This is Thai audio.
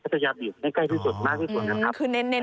พัทยาบีอยู่ในใกล้ที่สุดมากที่สุดนะครับคือเน้นเน้น